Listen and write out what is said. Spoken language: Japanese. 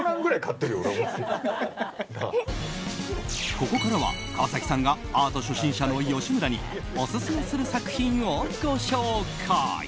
ここからは川崎さんがアート初心者の吉村にオススメする作品をご紹介。